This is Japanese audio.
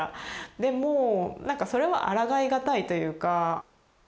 でもなんかそれはあらがい難いというか。